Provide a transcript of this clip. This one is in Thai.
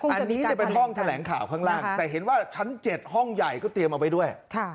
อันนี้เป็นห้องแถลงข่าวข้างล่างแต่เห็นว่าชั้น๗ห้องใหญ่ก็เตรียมเอาไว้ด้วย